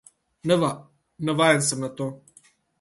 Navajen sem na to.